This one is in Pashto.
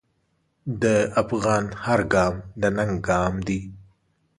د افغان هر ګام د ننګ ګام دی.